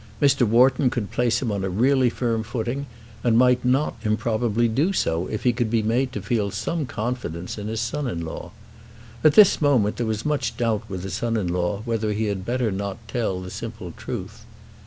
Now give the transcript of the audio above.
Mr. Wharton could place him on a really firm footing, and might not improbably do so if he could be made to feel some confidence in his son in law. At this moment there was much doubt with the son in law whether he had better not tell the simple truth.